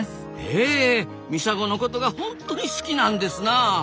へえミサゴのことが本当に好きなんですなあ。